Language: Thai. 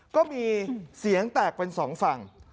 ก็มีเสียงแตกเป็นสองฝั่ง